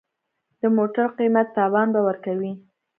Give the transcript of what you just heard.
د موټر قیمت تاوان به ورکوې.